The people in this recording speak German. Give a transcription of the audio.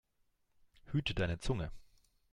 Hüte deine Zunge!